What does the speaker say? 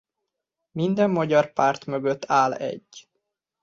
Minden magyar párt mögött áll egy.